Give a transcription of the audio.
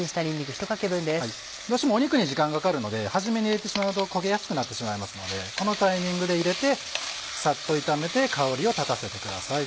どうしても肉に時間かかるので初めに入れてしまうと焦げやすくなってしまいますのでこのタイミングで入れてさっと炒めて香りを立たせてください。